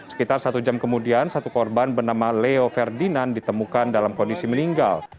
sekitar satu jam kemudian satu korban bernama leo ferdinand ditemukan dalam kondisi meninggal